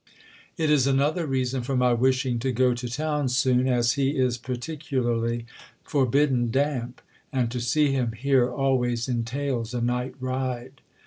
It is another reason for my wishing to go to town soon, as he is particularly forbidden damp, and to see him here always entails a night ride."